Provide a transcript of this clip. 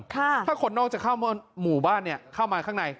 ถ้าคนนอกจะเข้าหมู่บ้านเข้ามาข้างใน